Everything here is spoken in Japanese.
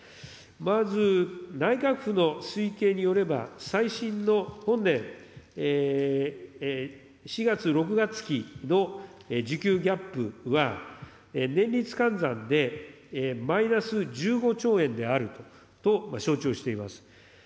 まず内閣府の推計によれば、最新の本年４月、６月期の需給ギャップは、年率換算でマイナス１５兆円であると承知をしております。